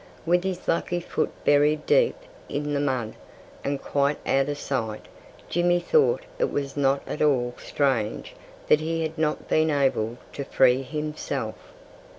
With his lucky foot buried deep in the mud, and quite out of sight, Jimmy thought it was not at all strange that he had not been able to free himself.